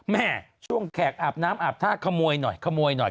แม่ช่วงแขกอาบน้ำอาบท่าขโมยหน่อยขโมยหน่อย